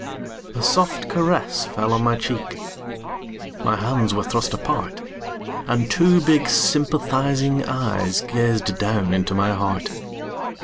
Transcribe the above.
A soft caress fell on my cheek, My hands were thrust apart. And two big sympathizing eyes Gazed down into my heart.